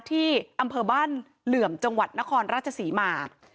ที่อำเภอบ้านเหลื่อมจังหวัดนครราชศรีมา